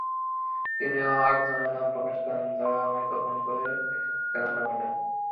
তিনিও আটজনের নাম প্রকাশ করেন, যাঁরা মাইক্রোবাসে করে এসে হত্যাকাণ্ড ঘটান।